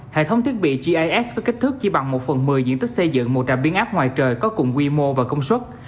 hệ thống thiết bị gis với kích thước chỉ bằng một phần một mươi diện tích xây dựng một trạm biến áp ngoài trời có cùng quy mô và công suất